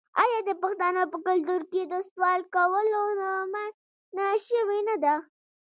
آیا د پښتنو په کلتور کې د سوال کولو نه منع شوې نه ده؟